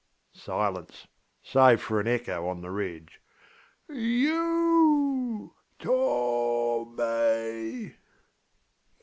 Silence, save for an echo on the ridge. ŌĆśY o u, T o m may!